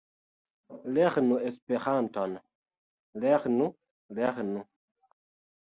Lernu Esperanton! Lernu! Lernu!